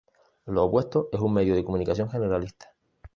Lo opuesto es un medio de comunicación generalista.